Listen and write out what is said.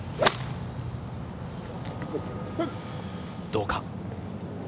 どうか？